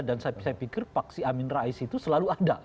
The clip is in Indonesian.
dan saya pikir faksi amin rais itu selalu ada